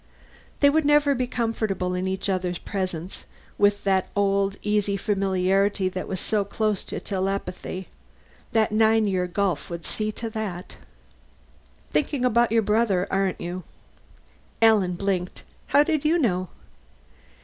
They would never be comfortable in each other's presence, with the old easy familiarity that was so close to telepathy. That nine year gulf would see to that. "Thinking about your brother, aren't you?" Alan blinked. "How did you know?"